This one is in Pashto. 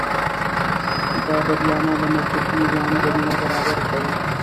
دا بدلانه د مطلوب نظام زمینه برابره کړي.